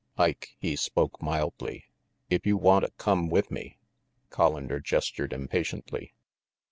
"Ike," he spoke mildly, "if you wanta come with me " Collander gestured impatiently.